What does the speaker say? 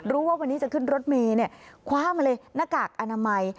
รู้ว่าวันนี้จะขึ้นรถเมนี่ความอะไรหน้ากากอนามัย